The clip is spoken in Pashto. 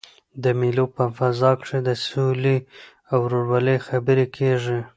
د مېلو په فضا کښي د سولي او ورورولۍ خبري کېږي.